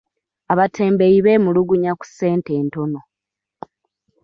Abatembeeyi beemulugunya ku ssente entono.